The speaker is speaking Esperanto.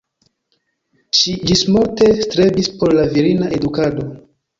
Ŝi ĝismorte strebis por la virina edukado.